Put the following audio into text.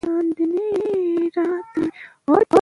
افغانستان د انګورو د ترویج لپاره ځانګړي پروګرامونه لري.